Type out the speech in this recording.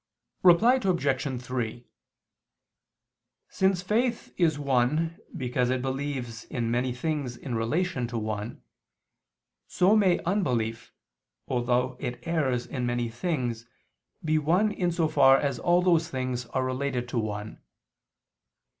Reply Obj. 3: Since faith is one because it believes in many things in relation to one, so may unbelief, although it errs in many things, be one in so far as all those things are related to one.